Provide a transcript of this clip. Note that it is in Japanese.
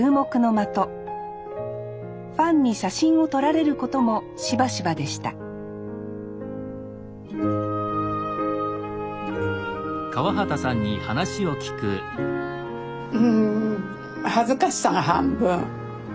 ファンに写真を撮られることもしばしばでしたうん恥ずかしさが半分。